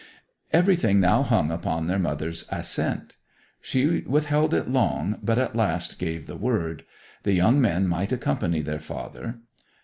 Everything now hung upon their mother's assent. She withheld it long, but at last gave the word: the young men might accompany their father.